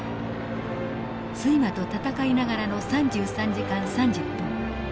睡魔と戦いながらの３３時間３０分。